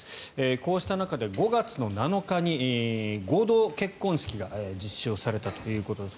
こうした中で５月７日に合同結婚式が実施されたということです。